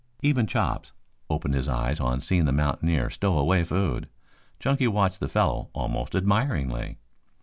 Even Chops opened his eyes on seeing the mountaineer stow away food. Chunky watched the fellow almost admiringly.